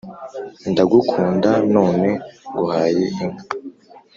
«ndagukunda, none nguhaye inka.»